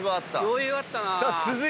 余裕あったな。